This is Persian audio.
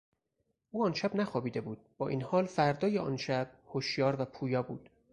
او آن شب نخوابیده بود بااین حال فردای آن شب هشیار و پویا بود.